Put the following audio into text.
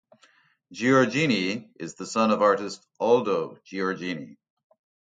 Giorgini is the son of artist Aldo Giorgini.